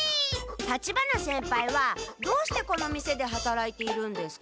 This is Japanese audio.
立花先輩はどうしてこの店ではたらいているんですか？